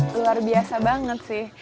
luar biasa banget sih